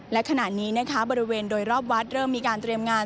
และขณะนี้นะคะบริเวณโดยรอบวัดเริ่มมีการเตรียมงาน